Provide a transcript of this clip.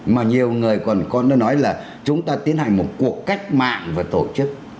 mà nhiều người còn có nói là chúng ta tiến hành một cuộc cách mạng và tổ chức